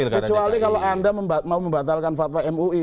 kecuali kalau anda mau membatalkan fatwa mui